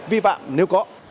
vi vạm nếu có